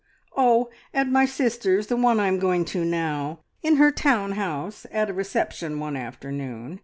"Oh, at my sister's the one I am going to now. In her town house, at a reception one afternoon.